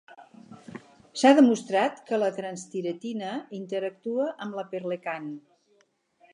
S'ha demostrat que la transtiretina interactua amb la perlecan.